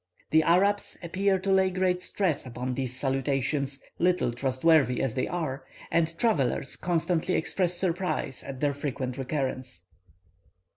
The Arabs appear to lay great stress upon these salutations, little trustworthy as they are, and travellers constantly express surprise at their frequent recurrence.